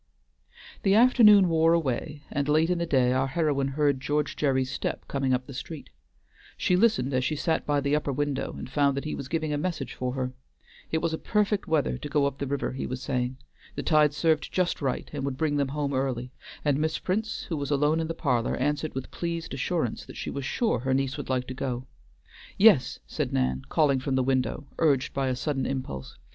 The afternoon wore away, and late in the day our heroine heard George Gerry's step coming up the street. She listened as she sat by the upper window, and found that he was giving a message for her. It was perfect weather to go up the river, he was saying; the tide served just right and would bring them home early; and Miss Prince, who was alone in the parlor, answered with pleased assurance that she was sure her niece would like to go. "Yes," said Nan, calling from the window, urged by a sudden impulse.